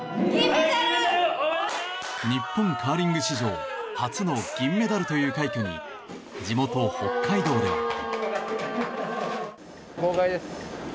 日本カーリング史上初の銀メダルという快挙に地元・北海道では。